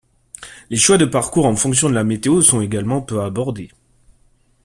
Les choix de parcours en fonction de la météo sont également peu abordés.